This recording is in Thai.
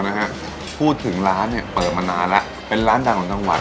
นะฮะพูดถึงร้านเนี่ยเปิดมานานแล้วเป็นร้านดังของจังหวัด